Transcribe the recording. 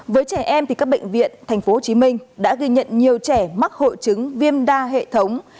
với trẻ em các bệnh viện tp hcm đã ghi nhận nhiều trẻ mắc hội chứng viêm đa hệ thống